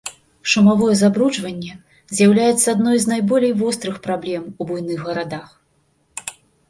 Шумавое забруджванне з'яўляецца адной з найболей вострых праблем у буйных гарадах.